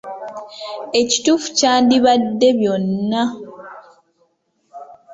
"Ekituufu kyandibadde ""byonna."""